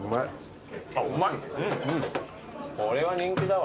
これは人気だわ。